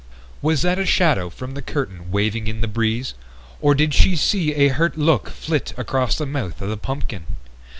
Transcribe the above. Was that a shadow from the curtain waving in the breeze, or did she see a hurt look flit across the mouth of the pumpkin?